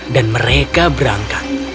dan mereka berangkat